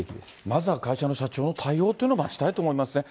まずは会社の社長の対応というのを待ちたいと思いますね。